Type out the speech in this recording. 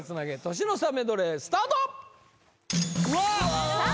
年の差メドレースタートさあ